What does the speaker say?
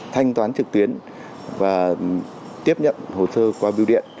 thanh toán trực tuyến và tiếp nhận hồ sơ qua biêu điện